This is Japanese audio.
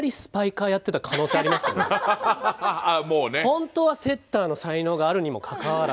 本当はセッターの才能があるにもかかわらず。